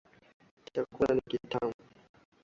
Chakula ni kitamu.